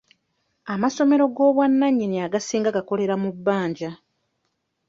Amasomero g'obwannanyini agasinga gakolera ku bbanja.